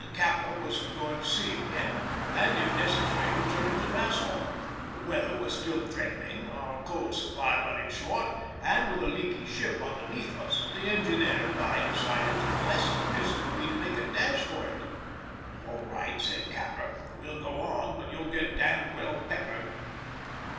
Capper was for going to sea again, and if necessary returning to Nassau; the weather was still threatening, our coal supply running short, and, with a leaky ship beneath us, the engineer and I decided that the lesser risk would be to make a dash for it. "All right," said Capper, "we'll go on, but you'll get d——d well peppered!"